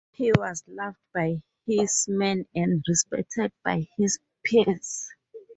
He was loved by his men and respected by his peers.